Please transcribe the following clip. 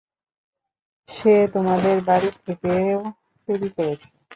সে তোমাদের বাড়ি থেকেও চুরি করেছে।